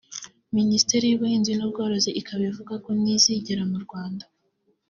Minisiteri y’ ubuhinzi n’ ubworozi ikaba ivuga ko nizigera mu Rwanda